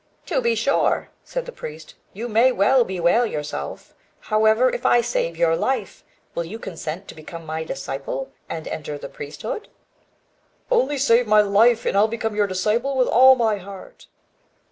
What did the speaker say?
"To be sure," said the priest, "you may well bewail yourself; however, if I save your life, will you consent to become my disciple, and enter the priesthood?" "Only save my life, and I'll become your disciple with all my heart."